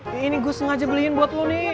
nih ini gue sengaja beliin buat lo nih